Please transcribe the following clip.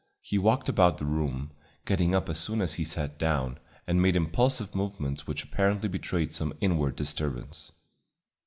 He walked about the room, getting up as soon as he sat down, and made impulsive movements which apparently betrayed some inward disturbance.